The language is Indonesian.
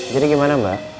jadi gimana mbak